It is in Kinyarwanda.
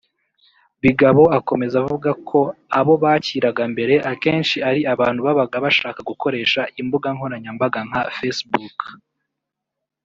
Bigabo akomeza avuga ko abo bakiraga mbere akenshi ari abantu babaga bashaka gukoresha imbuga nkoranyambaga nka Facebook